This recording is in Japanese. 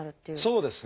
そうですね。